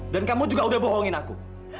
dan kamu juga udah bohongin aku